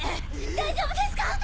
大丈夫ですか？